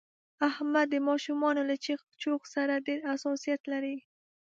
احمد د ماشومانو له چغ چوغ سره ډېر حساسیت لري.